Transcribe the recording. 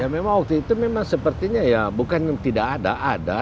ya memang waktu itu memang sepertinya ya bukan tidak ada